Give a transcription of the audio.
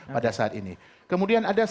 pada saat ini kemudian ada